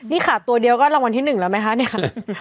นี่ค่ะตัวเดียวก็รางวัลที่หนึ่งแล้วไหมฮะเนี่ยค่ะ